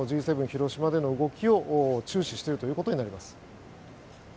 広島での動きを注視しているということになります。